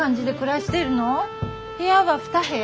部屋は２部屋？